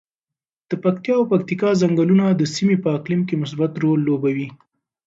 د پکتیا او پکتیکا ځنګلونه د سیمې په اقلیم کې مثبت رول لوبوي.